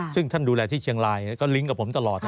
ซึ่งท่านดูแลที่เชียงรายแล้วก็ลิงก์กับผมตลอด